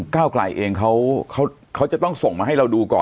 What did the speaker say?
ก้าวไกลเองเขาจะต้องส่งมาให้เราดูก่อน